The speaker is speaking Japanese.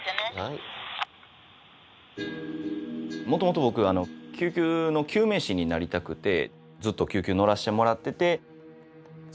もともと僕救急の救命士になりたくてずっと救急に乗らしてもらっててそ